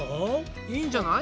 いいんじゃない？